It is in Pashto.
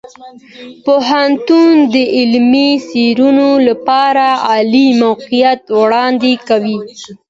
پوهنتون د علمي څیړنو لپاره عالي موقعیت وړاندې کوي.